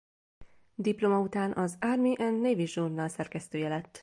Diploma után az Army and Navy Journal szerkesztője lett.